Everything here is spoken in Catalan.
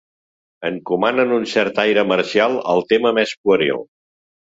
Encomanen un cert aire marcial al tema més pueril.